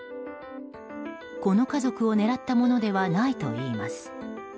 この家族を狙ったものではないといいます。